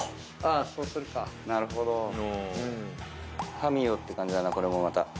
神よって感じだなこれもまた。